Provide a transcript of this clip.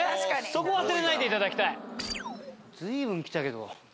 そこ忘れないでいただきたい。随分来たけど。